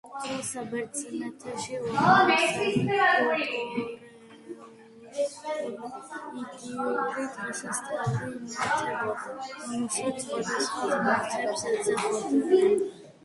ძველ საბერძნეთში უამრავი საკულტო-რელიგიური დღესასწაული იმართებოდა, რომელიც სხვადასხვა ღმერთებს ეძღვნებოდა.